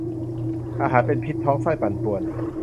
อาหารเป็นพิษ ท้องไส้ปั่นป่วน